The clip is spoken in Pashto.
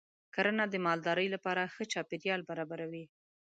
کرنه د مالدارۍ لپاره ښه چاپېریال برابروي.